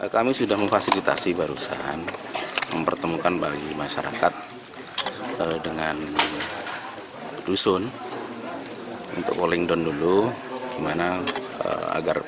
kami sudah memfasilitasi barusan mempertemukan bagi masyarakat dengan dusun untuk rolling down dulu agar pelaksanaan paw ini bisa terlaksana dengan baik